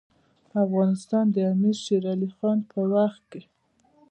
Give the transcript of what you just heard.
افغانستان د امیر شیرعلي خان په وخت کې.